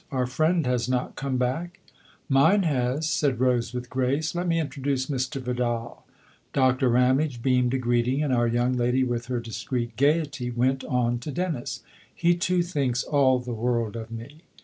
" Our friend has not come back ?" "Mine has/' said Rose with grace. "Let me introduce Mr. Vidal." Doctor Ramage beamed a greeting, and our young lady, with her discreet gaiety, went on to Dennis :" He too thinks all the world of me."